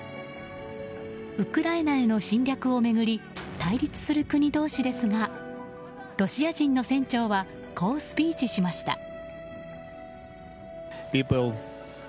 ウクライナへの侵略を巡り対立する国同士ですがロシア人の船長はこうスピーチしました。